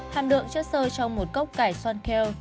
hàm lượng chất sơ trong một cốc cải xoăn kale